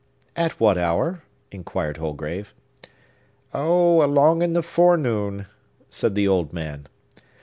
"At what hour?" inquired Holgrave. "Oh, along in the forenoon," said the old man.